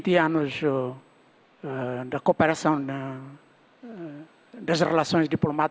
pertama berkaitan dengan dua puluh tahun kooperasi di antara perjalanan diplomat